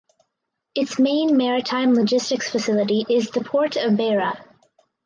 Its main maritime logistics facility is the port of Beira.